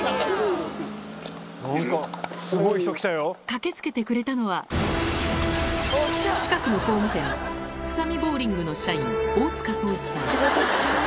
駆けつけてくれたのは、近くの工務店、フサミボーリングの社員、大塚宗一さん。